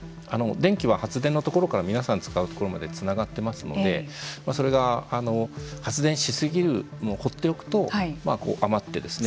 電気は発電のところから皆さん使うところまでつながってますのでまあそれが発電し過ぎるのを放っておくと余ってですね